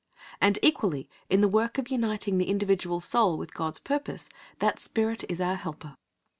And equally in the work of uniting the individual soul with God's purpose that Spirit is our Helper.